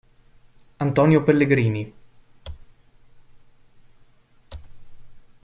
Antonio Pellegrini